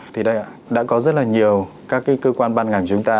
thì đây ạ đã có rất là nhiều các cơ quan ban ngành của chúng ta